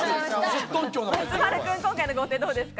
松丸君、今回の豪邸どうですか？